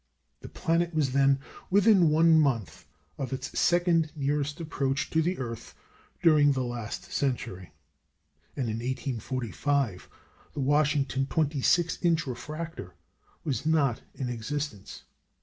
The planet was then within one month of its second nearest approach to the earth during the last century; and in 1845 the Washington 26 inch refractor was not in existence.